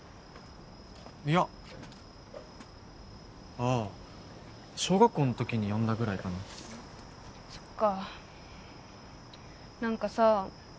いやああ小学校のときに読んだぐらいかなそっか何かさ